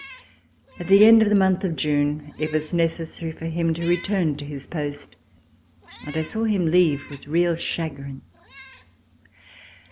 At the end of the month of June it was necessary for him to return to his post and I saw him leave with real chagrin.